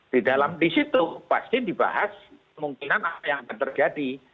di dalam di situ pasti dibahas kemungkinan apa yang akan terjadi